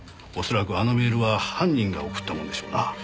おそらくあのメールは犯人が送ったものでしょうな。